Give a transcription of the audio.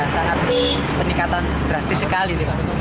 saat ini peningkatan drastis sekali